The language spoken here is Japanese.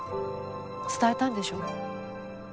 伝えたんでしょ？